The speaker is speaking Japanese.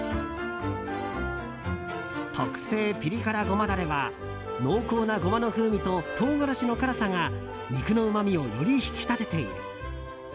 特製ピリ辛ゴマダレは濃厚なゴマの風味と唐辛子の辛さが肉のうまみをより引き立てている。